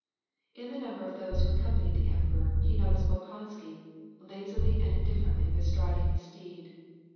In the number of those who accompanied the emperor, he noticed Bolkonsky, lazily and indifferently bestriding his steed.